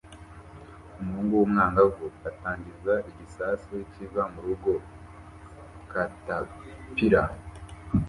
Umuhungu w'umwangavu atangiza igisasu kiva murugo catapult